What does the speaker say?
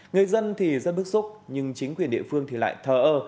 người dân thì rất bức xúc nhưng chính quyền địa phương thì lại thờ ơ